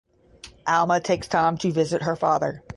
Alma takes Tom to visit her father.